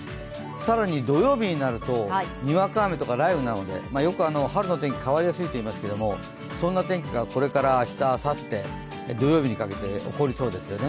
更に土曜日になると、にわか雨とか雷雨なので、よく春の天気、変わりやすいといいますけども、そんな天気がこれから明日、あさって、土曜日にかけて起こりそうですよね。